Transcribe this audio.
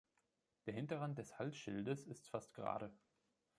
Der Hinterrand des Halsschildes ist fast gerade.